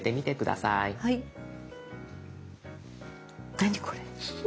何これ？